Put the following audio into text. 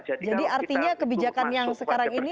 jadi artinya kebijakan yang sekarang ini